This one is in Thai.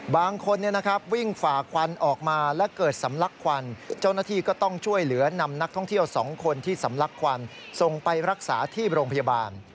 บางคนวิ่งฝ่าควันออกมาและเกิดสำลักควันเจ้าหน้าที่ก็ต้องช่วยเหลือนำนักท่องเที่ยว๒คนที่สำลักควันส่งไปรักษาที่โรงพยาบาล